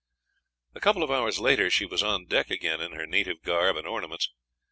A couple of hours later she was on deck again in her native garb and ornaments.